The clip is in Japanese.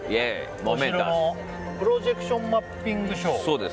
お城のプロジェクションマッピングショー。